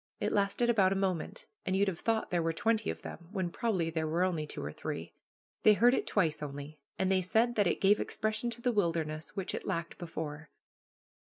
It lasted but a moment, and you'd have thought there were twenty of them, when probably there were only two or three. They heard it twice only, and they said that it gave expression to the wilderness which it lacked before.